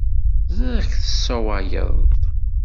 Ẓriɣ-k tessewwayeḍ.